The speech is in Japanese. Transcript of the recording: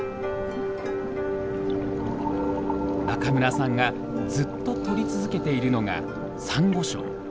中村さんがずっと撮り続けているのが「サンゴ礁」。